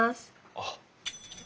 あっ。